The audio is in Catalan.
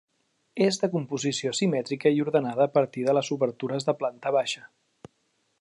És de composició simètrica i ordenada a partir de les obertures de planta baixa.